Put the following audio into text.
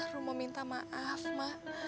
rum mau minta maaf mak